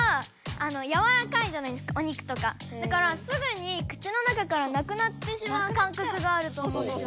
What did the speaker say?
でもだからすぐに口の中からなくなってしまう感覚があると思うんですよ。